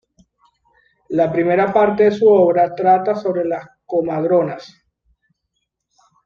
La primera parte de su obra trata sobre las comadronas.